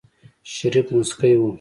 شريف موسکی و.